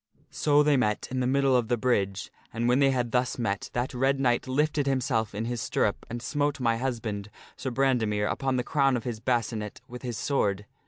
So they met in the middle of the bridge, and when they had thus met that Red Knight lifted himself in his stirrup and smote my husband, Sir Brandemere, upon the crown of his bascinet with his sword.